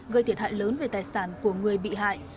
gây thiệt hại lớn về tài sản của người bị hại